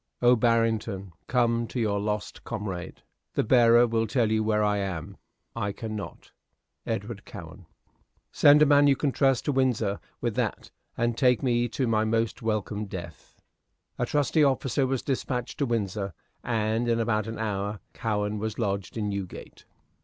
O Barrington, come to your lost comrade. The bearer will tell you where I am. I cannot. EDWARD COWEN. "Send a man you can trust to Windsor with that, and take me to my most welcome death." A trusty officer was despatched to Windsor, and in about an hour Cowen was lodged in Newgate.